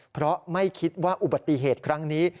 เพราะไม่คิดว่าอุบัติเหตุครั้งนี้